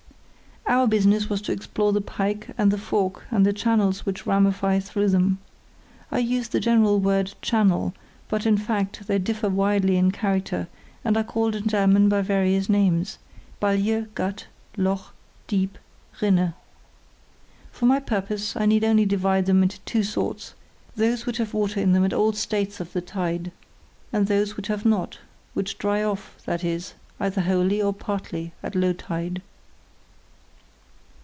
Our business was to explore the Pike and the Fork and the channels which ramify through them. I use the general word "channel", but in fact they differ widely in character, and are called in German by various names: Balje, Gat, Loch, Diep, Rinne. For my purpose I need only divide them into two sorts—those which have water in them at all states of the tide, and those which have not, which dry off, that is, either wholly or partly at low tide.